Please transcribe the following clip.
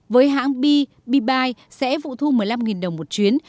với hãng bee beebuy sẽ phụ thu một mươi năm đồng một chuyến